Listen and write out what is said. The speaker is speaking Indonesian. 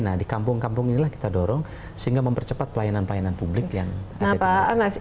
nah di kampung kampung inilah kita dorong sehingga mempercepat pelayanan pelayanan publik yang ada di sini